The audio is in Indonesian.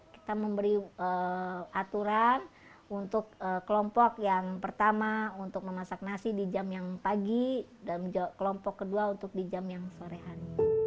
kita memberi aturan untuk kelompok yang pertama untuk memasak nasi di jam yang pagi dan kelompok kedua untuk di jam yang sore hari